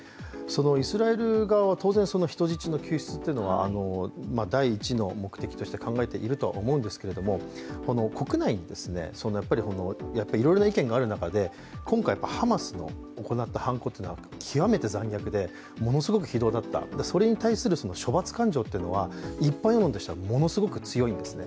イスラエル側は当然人質の救出というのは第１の目的として考えているとは思うんですけれども、国内にいろいろな意見がある中で、今回、ハマスの行った犯行は極めて残虐で、ものすごく非道だった、それに対する処罰感情というのは一般世論としてはものすごく強いんですね。